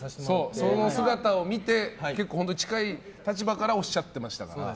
その姿を見て結構、本当に近い立場からおっしゃっていました。